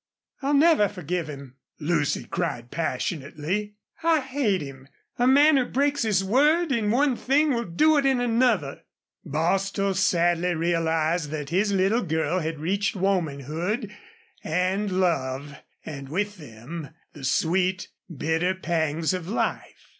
"I'll never forgive him," Lucy cried, passionately. "I hate him. A man who breaks his word in one thing will do it in another." Bostil sadly realized that his little girl had reached womanhood and love, and with them the sweet, bitter pangs of life.